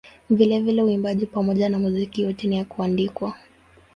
Vilevile uimbaji pamoja na muziki yote ni ya kuandikwa.